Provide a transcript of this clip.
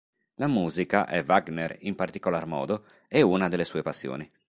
La musica, e Wagner in particolar modo, è una delle sue passioni.